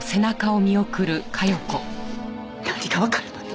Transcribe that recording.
何がわかるのよ